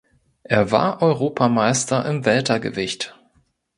Er war Europameister im Weltergewicht.